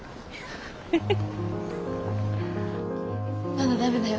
まだ駄目だよ。